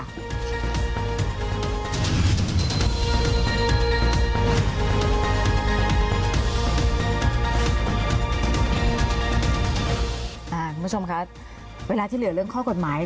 คุณผู้ชมคะเวลาที่เหลือเรื่องข้อกฎหมาย